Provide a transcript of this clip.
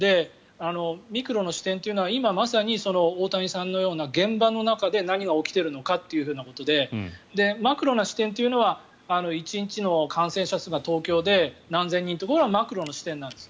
ミクロの視点というのはまさに大谷さんのような現場の中で何が起きてるのかということでマクロな視点というのは１日の感染者数が東京で何千人ってこれはマクロの視点なんです。